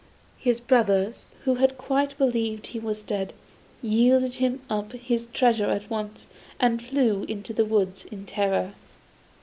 His brothers, who had quite believed he was dead, yielded him up his treasures at once, and flew into the woods in terror.